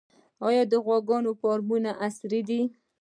آیا د غواګانو فارمونه عصري دي؟